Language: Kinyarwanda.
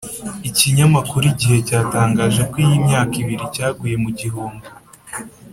Ikinyamakuru Igihe cyatangaje ko iyi myaka ibiri cyaguye mu gihombo